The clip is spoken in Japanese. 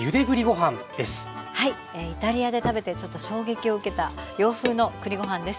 イタリアで食べてちょっと衝撃を受けた洋風の栗ご飯です。